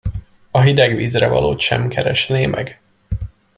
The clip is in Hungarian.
A hideg vízre valót sem keresné meg.